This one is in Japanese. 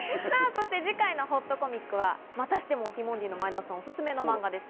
そして次回のほっとコミックはまたしてもティモンディの前田さんおすすめの漫画です。